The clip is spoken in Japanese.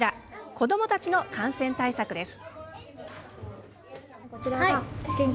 子どもたちの感染対策です。